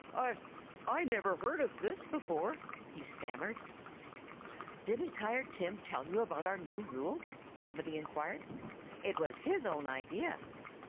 "I I never heard of this before!" he stammered. "Didn't Tired Tim tell you about our new rule?" somebody inquired. "It was his own idea."